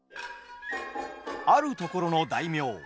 あるところの大名。